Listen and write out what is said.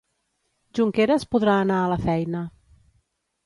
Junqueras podrà anar a la feina